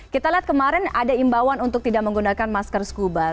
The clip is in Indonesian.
kita lihat kemarin ada imbauan untuk tidak menggunakan masker scuba